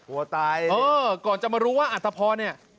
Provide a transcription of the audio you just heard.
วัวตายเออก่อนจะมารู้ว่าอัตภพรเนี่ย